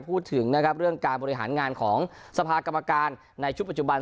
พูดถึงนะครับเรื่องการบริหารงานของสภากรรมการในชุดปัจจุบัน